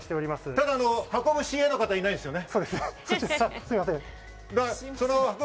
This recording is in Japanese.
ただ運ぶＣＡの方はいないんですね。